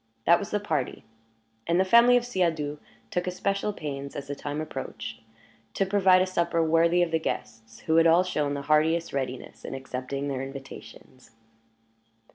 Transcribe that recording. That was the party; and the family of Siadoux took especial pains, as the time approached, to provide a supper worthy of the guests, who had all shown the heartiest readiness in accepting their invitations.